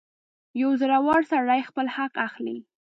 • یو زړور سړی خپل حق اخلي.